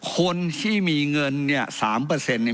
คนที่มีเงินเนี้ยสามเปอร์เซ็นต์เนี้ย